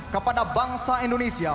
kepada bangsa indonesia